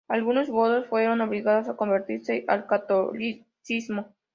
Algunos godos fueron obligados a convertirse al catolicismo.